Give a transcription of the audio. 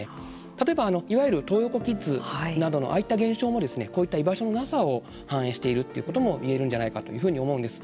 例えばいわゆるトー横キッズなどのああいった現象もこういった居場所のなさを反映しているということも癒えるんじゃないかというふうに思えるんです。